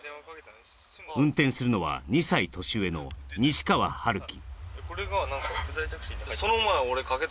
運転するのは２歳年上の西川遥輝。